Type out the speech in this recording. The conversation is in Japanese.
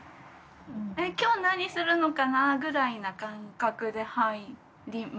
今日何するのかなぐらいな感覚で入ります。